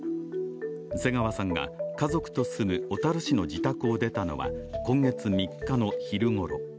瀬川さんが家族と住む小樽市の自宅を出たのは今月３日の昼ごろ。